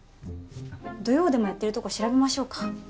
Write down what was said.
土曜でもやってるとこ調べましょうか？